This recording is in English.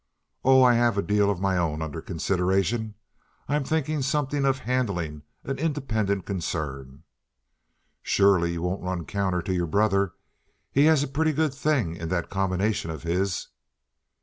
"Oh, I have a deal of my own under consideration, I'm thinking something of handling an independent concern." "Surely you won't run counter to your brother? He has a pretty good thing in that combination of his."